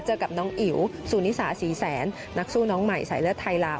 กับน้องอิ๋วสูนิสาศรีแสนนักสู้น้องใหม่สายเลือดไทยลาว